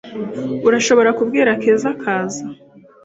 Urashobora kubwira Keza akaza